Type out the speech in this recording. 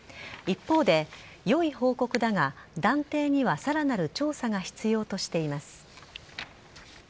一方で、よい報告だが、断定にはさらなる調査が必要としています。